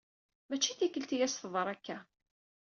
Mačči tikkelt i as-teḍra akka.